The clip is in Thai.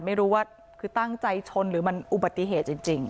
ไม่รู้ว่าคือตั้งใจชนหรือมันอุบัติเหตุจริง